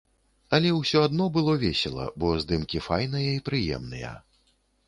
Але ўсё адно было весела, бо здымкі файныя і прыемныя.